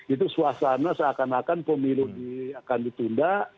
itu suasana seakan akan pemilu akan ditunda